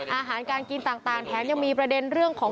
อาหารการกินต่างแถมยังมีประเด็นเรื่องของ